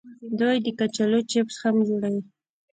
دوی د کچالو چپس هم جوړوي.